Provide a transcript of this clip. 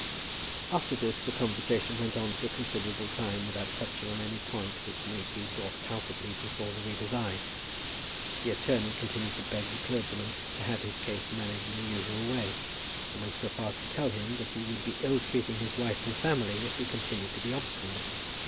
After this the conversation went on for a considerable time without touching on any point which need be brought palpably before the reader's eye. The attorney continued to beg the clergyman to have his case managed in the usual way, and went so far as to tell him that he would be ill treating his wife and family if he continued to be obstinate.